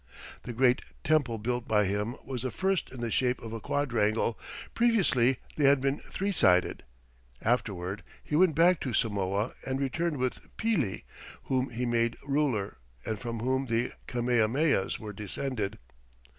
The great temple built by him was the first in the shape of a quadrangle previously they had been three sided. Afterward, he went back to Samoa and returned with Pili, whom he made ruler, and from whom the Kamehamehas were descended.